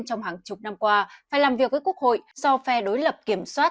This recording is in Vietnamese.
trong hàng chục năm qua phải làm việc với quốc hội do phe đối lập kiểm soát